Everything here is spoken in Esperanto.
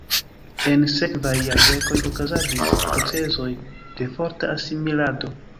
En sekvaj jardekoj okazadis procezoj de forta asimilado.